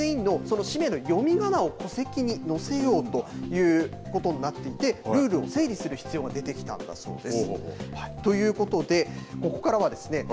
デジタル化の推進を背景にしまして国民全員のその氏名の読みがなを戸籍に載せようとということになっていてルールを整備する必要が出てきたんだそうです。